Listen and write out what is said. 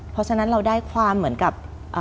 เพราะฉะนั้นเราได้ความเหมือนกับ